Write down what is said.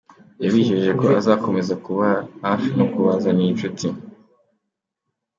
Yabijeje ko azakomeza kubaba hafi no kubazanira inshuti.